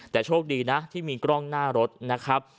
แต่โชคดีนะที่มีกล้องหน้ารถนะครับ